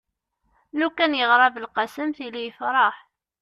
lukan yeɣra belqsem tili yefreḥ